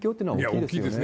大きいですよね。